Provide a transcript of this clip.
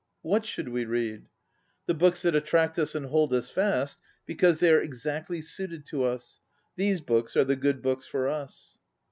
What should we read? The books that attract us and hold us fast, because they are exactly suited to us. These books are the good books for us.